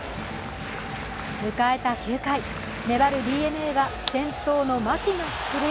迎えた９回、粘るＤｅＮＡは先頭の牧が出塁。